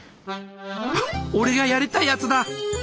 俺がやりたいやつだ！